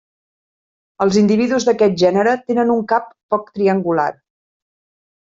Els individus d'aquest gènere tenen un cap poc triangular.